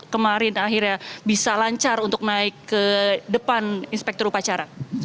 kemarin akhirnya bisa lancar untuk naik ke depan inspektur upacara